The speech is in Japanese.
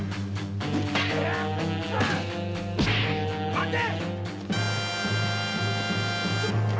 待て！